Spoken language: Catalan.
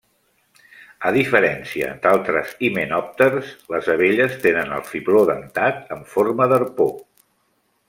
A diferència d'altres himenòpters, les abelles tenen el fibló dentat en forma d'arpó.